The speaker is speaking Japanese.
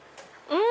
うん！